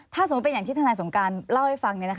ถ้าสมมุติเป็นอย่างที่ทนายสงการเล่าให้ฟัง